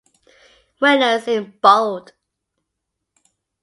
Winners in bold.